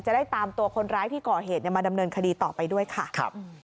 จะได้ตามตัวคนร้ายที่ก่อเหตุมาดำเนินคดีต่อไปด้วยค่ะครับ